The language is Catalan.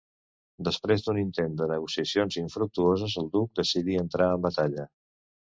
Després d'un intent de negociacions infructuoses, el duc decidí entrar en batalla.